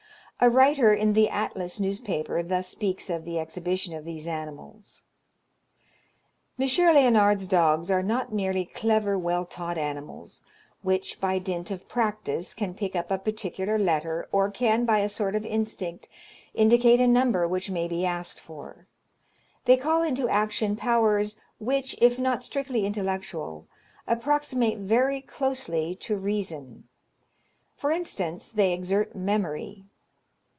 A writer in the "Atlas" newspaper thus speaks of the exhibition of these animals: M. Léonard's dogs are not merely clever, well taught animals, which, by dint of practice, can pick up a particular letter, or can, by a sort of instinct, indicate a number which may be asked for; they call into action powers which, if not strictly intellectual, approximate very closely to reason. For instance, they exert memory.